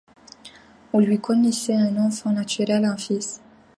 On lui connaissait un enfant naturel, un fils.